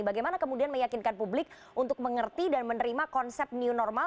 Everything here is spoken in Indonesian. bagaimana kemudian meyakinkan publik untuk mengerti dan menerima konsep new normal